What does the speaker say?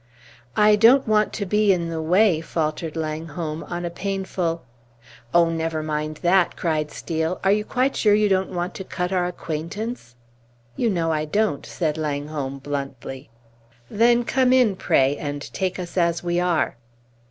"I don't want to be in the way," faltered Langholm, "on a painful " "Oh, never mind that!" cried Steel. "Are you quite sure you don't want to cut our acquaintance?" "You know I don't," said Langholm, bluntly. "Then come in, pray, and take us as we are."